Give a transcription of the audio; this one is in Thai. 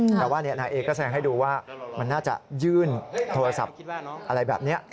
แต่ว่านายเอก็แสดงให้ดูว่ามันน่าจะยื่นโทรศัพท์อะไรแบบนี้